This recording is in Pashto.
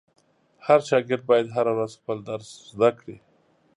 هر شاګرد باید هره ورځ خپل درس زده کړي.